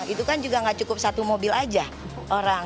itu kan juga nggak cukup satu mobil aja orang